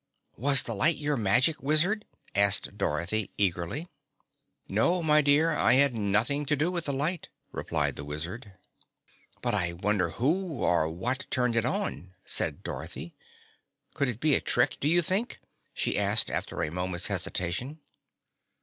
"Was the light your magic, Wizard?" asked Dorothy eagerly. "No, my dear, I had nothing to do with the light," replied the Wizard. "But I wonder who or what turned it on?" said Dorothy. "Could it be a trick, do you think?" she asked after a moment's hesitation.